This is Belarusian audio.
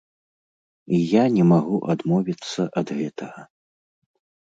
І я не магу адмовіцца ад гэтага.